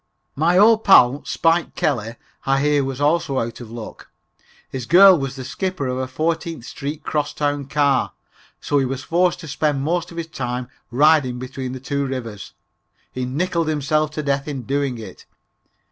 My old pal, "Spike" Kelly, I hear was also out of luck. His girl was the skipper of a Fourteenth Street crosstown car, so he was forced to spend most of his time riding, between the two rivers. He nickeled himself to death in doing it.